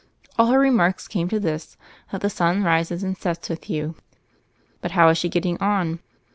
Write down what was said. All her remarks came to this, that the sun rises and sets with you." "But how is she getting on?"